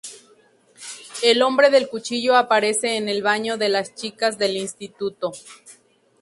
El hombre del cuchillo aparece en el baño de las chicas del instituto.